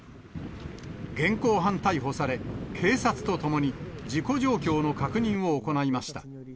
現行犯逮捕され、警察と共に事故状況の確認を行いました。